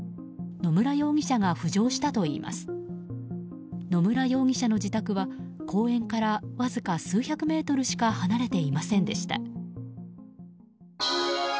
野村容疑者の自宅は公園からわずか数百メートルしか離れていませんでした。